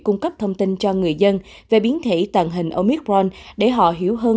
cung cấp thông tin cho người dân về biến thể tận hình omicron để họ hiểu hơn